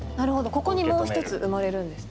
ここにもう一つ生まれるんですね。